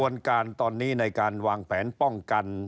การตอนนี้ในการวางแผนป้องกัน